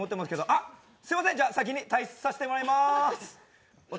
あ、すいません先に退出させてもらいます。